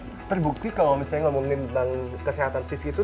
tapi terbukti kalau misalnya ngomongin tentang kesehatan fisik itu